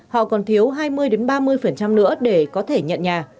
họ còn thiếu hai mươi ba mươi nữa để có thể nhận nhà